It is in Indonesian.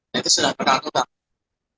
dan itu sudah berkata kata